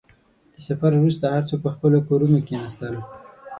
• د سفر وروسته، هر څوک په خپلو کورونو کښېناستل.